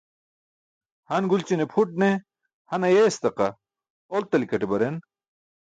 Han gulćinan pʰuṭ ne, han ayeestaqa, oltikaṭe baren.